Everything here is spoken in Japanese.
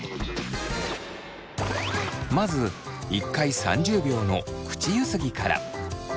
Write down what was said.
まず１回３０秒の口ゆすぎから。